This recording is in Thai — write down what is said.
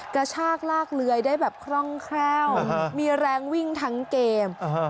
กระชากลากเลื้อยได้แบบคล่องแคล่วมีแรงวิ่งทั้งเกม